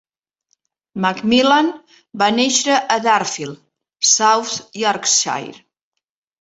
McMillan va néixer a Darfield, South Yorkshire.